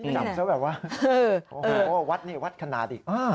นำเสียแบบว่าวัดนี่วัดขนาดอีก